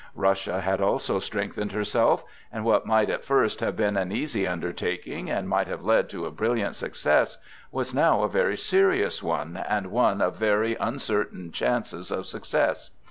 Russia had also strengthened herself, and what might at first have been an easy undertaking, and might have led to a brilliant success, was now a very serious one, and one of very uncertain chances of success.